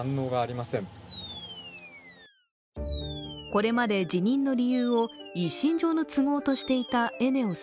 これまで辞任の理由を、一身上の都合としていたＥＮＥＯＳ。